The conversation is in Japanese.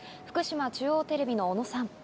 福島中央テレビの小野さん。